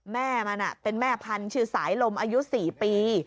แม่มันเป็นแม่พันธุ์ชื่อสายลมอายุ๔ปี